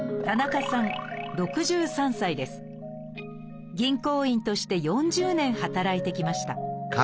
まずは銀行員として４０年働いてきました